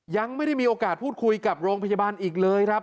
ยังไม่ได้มีโอกาสพูดคุยกับโรงพยาบาลอีกเลยครับ